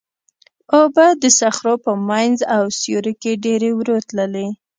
اوبه د صخرو په منځ او سیوري کې ډېرې ورو تللې.